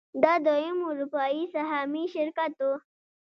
دا دویم اروپايي سهامي شرکت و.